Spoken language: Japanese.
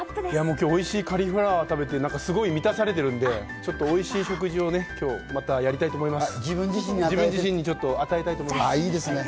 今日おいしいカリフラワー食べて、すごく満たされているので、おいしい食事を今日またやりたいと思います。